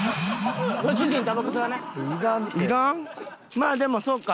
まあでもそうか。